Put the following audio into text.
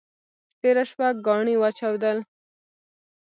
تېره شپه ګاڼي وچودل.